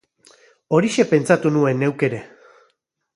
Horixe pentsatu nuen neuk ere.